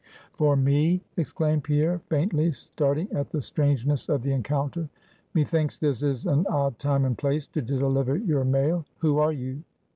"For me!" exclaimed Pierre, faintly, starting at the strangeness of the encounter; "methinks this is an odd time and place to deliver your mail; who are you?